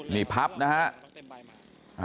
นี่พับนะฮะ